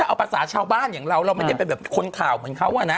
เอาภาษาชาวบ้านอย่างเราเราไม่ได้เป็นแบบคนข่าวเหมือนเขาอะนะ